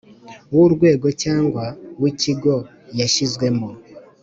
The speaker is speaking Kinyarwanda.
W urwego cyangwa w ikigo yashyizwemo